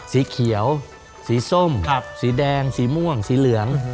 สีเขียวสีส้มสีแดงสีม่วงสีเหลือง